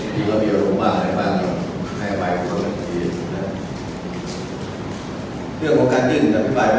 ทีก็มีอารมณ์บ้างในบ้าน